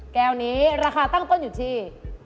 แก้วนี้ราคาตั้งต้นอยู่ที่